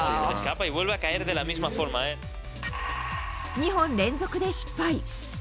２本連続で失敗。